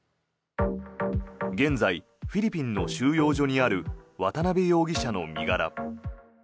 現在、フィリピンの収容所にある渡邉容疑者の身柄。